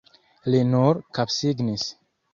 Li nur kapsignis.